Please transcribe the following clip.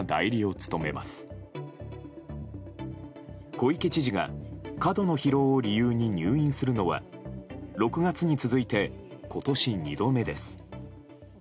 小池知事が過度の疲労を理由に入院するのは６月に続いて今年２度目です。